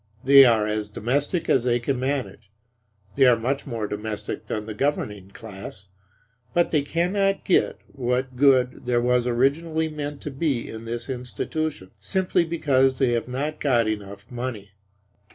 They are as domestic as they can manage; they are much more domestic than the governing class; but they cannot get what good there was originally meant to be in this institution, simply because they have not got enough money.